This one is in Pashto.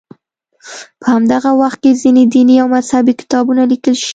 په همدغه وخت کې ځینې دیني او مذهبي کتابونه لیکل شوي.